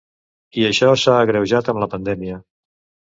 I això s’ha agreujat amb la pandèmia.